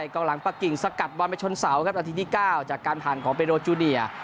กองหลังปะกิ่งสกัดบอลไปชนเสาครับนาทีที่๙จากการผ่านของเบโรจูเนีย